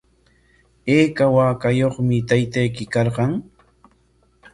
¿Ayka waakayuqmi taytayki karqan?